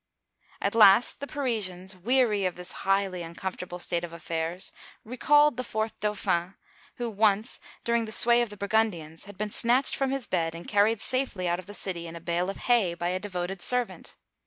At last the Parisians, weary of this highly uncomfortable state of affairs, recalled the fourth Dauphin, who once, during the sway of the Burgundians, had been snatched from his bed and carried safely out of the city in a bale of hay by a devoted servant.